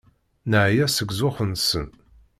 Neɛya seg zzux-nsen.